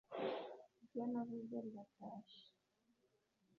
Iryo navuze riratashye